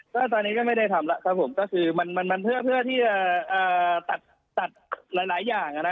ก็ตอนนี้ก็ไม่ได้ทำแล้วครับผมก็คือมันเพื่อที่จะตัดหลายอย่าง